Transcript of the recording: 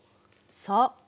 そう。